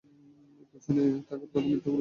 কোচিনে থাকার কথা মিথ্যা বললে কেন?